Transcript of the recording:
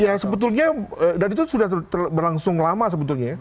ya sebetulnya dan itu sudah berlangsung lama sebetulnya ya